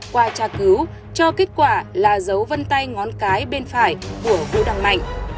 qua tra cứu cho kết quả là dấu vân tay ngón cái bên phải của vũ đăng mạnh